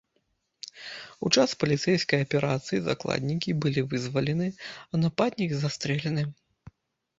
У час паліцэйскай аперацыі закладнікі былі вызвалены, а нападнік застрэлены.